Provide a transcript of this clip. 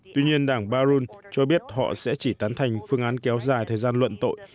tuy nhiên đảng barun cho biết họ sẽ chỉ tán thành phương án kéo dài thời gian luận tội